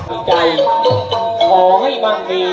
มีใจขอให้มันมี